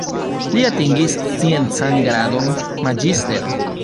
Li atingis sciencan gradon "magister".